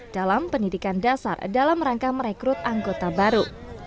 dalam pendidikan dasar dalam rangka merekrut anggota baru